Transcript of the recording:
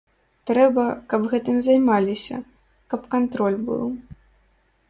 Трэба, каб гэтым займаліся, каб кантроль быў.